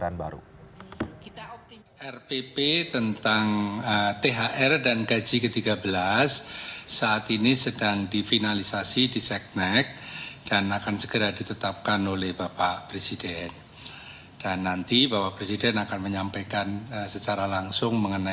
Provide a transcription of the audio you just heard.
tahun ajaran baru